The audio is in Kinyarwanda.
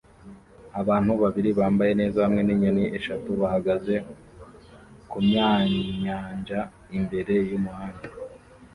Abantu babiri bambaye neza hamwe ninyoni eshatu bahagaze kumyanyanja imbere yumuraba